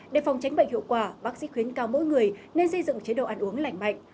để phòng tránh bệnh hiệu quả bác sĩ khuyến cao mỗi người nên xây dựng chế độ ăn uống lành mạnh